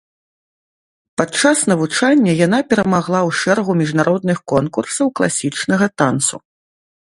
Падчас навучання яна перамагала ў шэрагу міжнародных конкурсаў класічнага танцу.